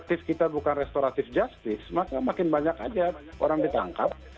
aktif kita bukan restoratif justice maka makin banyak aja orang ditangkap